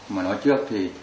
mà nói trước thì